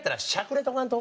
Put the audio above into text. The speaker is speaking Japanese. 出とかんと。